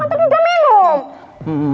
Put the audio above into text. apa tidak minum